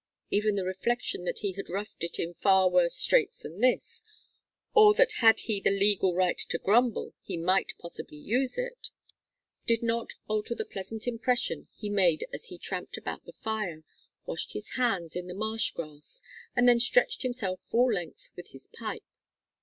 Even the reflection that he had roughed it in far worse straits than this, or that had he the legal right to grumble he might possibly use it, did not alter the pleasant impression he made as he tramped out the fire, washed his hands in the marsh grass, and then stretched himself full length with his pipe.